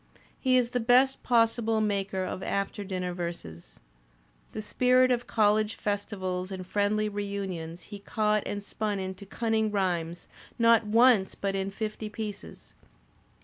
He is the best possible maker of after dinner verses. The spirit of college festivals and friendly reunions he caught and spun into cunning rhymes, not once but in fifty pieces.